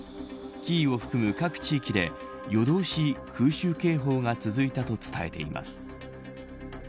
キーウを含む各地域で夜通し空襲警報が続いたと伝えています。